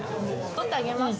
取ってあげます。